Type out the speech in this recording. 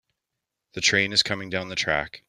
The train is coming down the track.